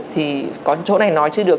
thì có chỗ này nói chưa được